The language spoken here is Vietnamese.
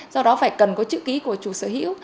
do đó phải cần có chữ ký của chủ sở hữu